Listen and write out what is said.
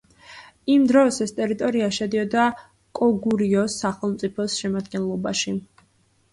იმ დროს, ეს ტერიტორია შედიოდა კოგურიოს სახელმწიფოს შემადგენლობაში.